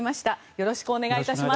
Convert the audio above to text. よろしくお願いします。